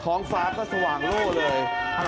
ท้องฟ้าก็สว่างโล่เลย